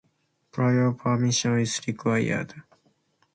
Prior permission is required.